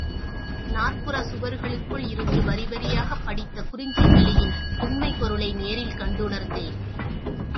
நாற்புறச் சுவர்களுக்குள் இருந்து வரிவரியாகப் படித்த குறிஞ்சிக் கலியின் உண்மைப் பொருளை நேரில் கண்டு உணர்ந்தேன்.